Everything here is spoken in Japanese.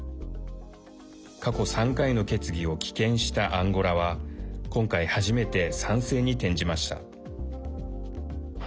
過去３回の決議を棄権したアンゴラは今回、初めて賛成に転じました。